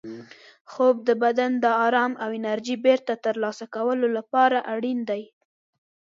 خوب د بدن د ارام او انرژۍ بېرته ترلاسه کولو لپاره اړین دی.